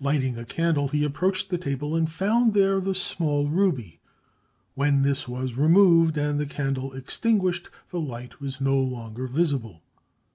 Lighting a candle, he approached the table and found there the small ruby; when this was removed and the candle extinguished, the light was no longer visible.